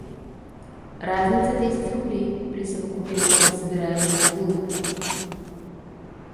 Разница десять рублей, — присовокупил он, собирая губы в улыбку.